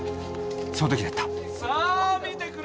その時だった何だ？